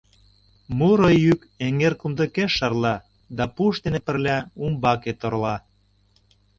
Муро йӱк эҥер кумдыкеш шарла да пуш дене пырля умбаке торла.